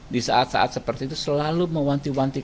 di saat saat seperti itu selalu mewanti wanti